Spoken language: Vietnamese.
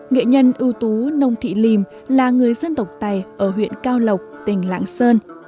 nghệ nhân ưu tú nông thị lìm là người dân tộc tài ở huyện cao lộc tỉnh lãng sơn